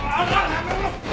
やめろ。